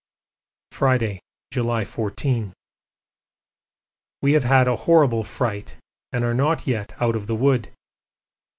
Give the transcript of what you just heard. Friday, July 14. We have had a horrible fright and are not yet out of the wood.